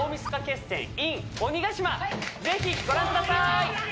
ぜひご覧ください